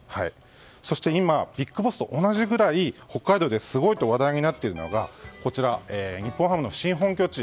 そして今、ＢＩＧＢＯＳＳと同じくらい北海道ですごいと話題になっているのが日本ハムの新本拠地